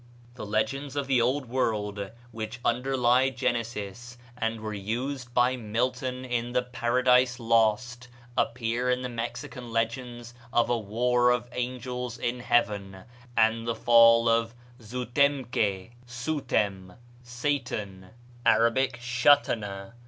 The legends of the Old World which underlie Genesis, and were used by Milton in the "Paradise Lost," appear in the Mexican legends of a war of angels in heaven, and the fall of Zou tem que (Soutem, Satan Arabic, Shatana?)